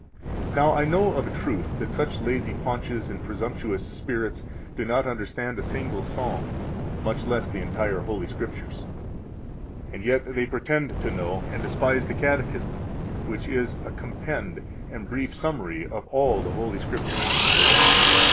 18 Now I know of a truth that such lazy paunches and presumptuous spirits do not understand a single psalm, much less the entire Holy Scriptures; and yet they pretend to know and despise the Catechism, which is a compend and brief summary of all the Holy Scriptures.